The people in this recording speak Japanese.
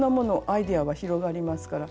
アイデアは広がりますから。